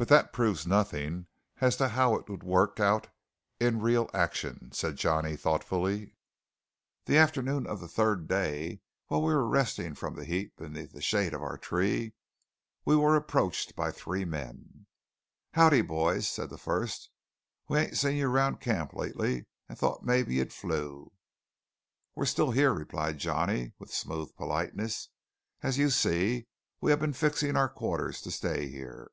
"But that proves nothing as to how it would work out in real action," said Johnny thoughtfully. The afternoon of the third day, while we were resting from the heat beneath the shade of our tree, we were approached by three men. [Illustration: "THE BIG MAN WHIRLED TO THE FLOOR"] "Howdy, boys," said the first. "We hain't seen you around camp lately, and thought mebbe you'd flew." "We are still here," replied Johnny with smooth politeness. "As you see, we have been fixing our quarters to stay here."